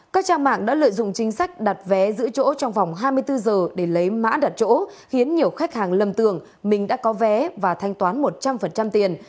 các trang mạng đã lợi dụng chính sách đặt vé giữ chỗ trong vòng hai mươi bốn giờ để lấy mã đặt chỗ khiến nhiều khách hàng lầm tưởng mình đã có vé và thanh toán một trăm linh tiền